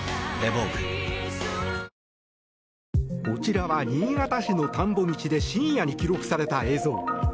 こちらは、新潟市の田んぼ道で深夜に記録された映像。